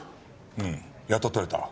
うんやっと取れた。